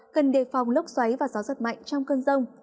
gần đề phòng lốc xoáy và gió rất mạnh trong cơn rông